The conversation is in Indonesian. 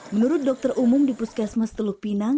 menurut dokter umum di puskesmas teluk pinang